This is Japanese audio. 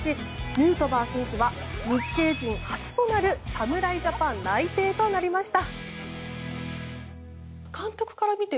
ヌートバー選手は日系人初となる侍ジャパン内定となりました。